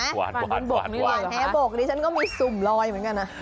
หวานแหบวกดิฉันก็มีศูมร์รอยเหมือนกัน